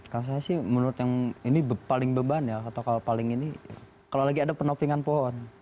kalau saya sih menurut yang ini paling beban ya kata kalau paling ini kalau lagi ada penopingan pohon